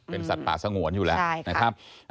เป็นสัตว์ป่าสงวนอยู่แล้วนะครับ